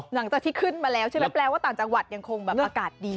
หลังจากที่ขึ้นมาแล้วใช่ไหมแปลว่าต่างจังหวัดยังคงแบบอากาศดี